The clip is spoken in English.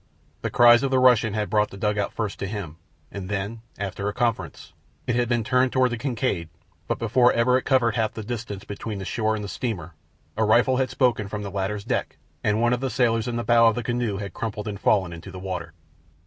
The cries of the Russian had brought the dugout first to him, and then, after a conference, it had been turned toward the Kincaid, but before ever it covered half the distance between the shore and the steamer a rifle had spoken from the latter's deck and one of the sailors in the bow of the canoe had crumpled and fallen into the water.